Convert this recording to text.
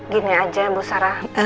gini aja bu sarah